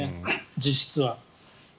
実質は。